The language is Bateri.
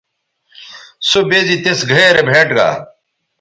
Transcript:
سو بے زی تِس گھئے رے بھئیٹ گا